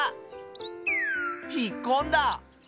ひっこんだ！